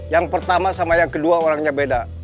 yang pertama sama yang kedua orangnya beda